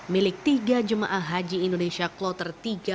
milik tiga jamaah haji indonesia kloter tiga puluh sembilan